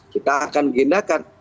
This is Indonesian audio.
kita akan gendakan